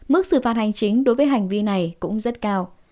mức xử phạt hành chính đối với hành vi này cũng rất cao